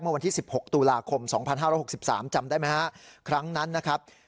วันที่๑๖ตุลาคม๒๕๖๓จำได้ไหมฮะครั้งนั้นนะครับ